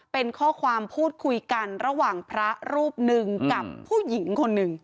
เป็นข้อความพูดคุยกันระหว่างพระรูปหนึ่งกับผู้หญิงคนหนึ่ง